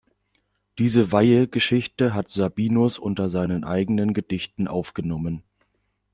Diese Weihe Geschichte hat Sabinus unter seine eigenen Gedichte aufgenommen.